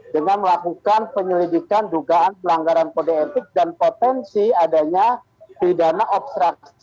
dengan melakukan penyelidikan dugaan pelanggaran kode etik dan potensi adanya pidana obstruksi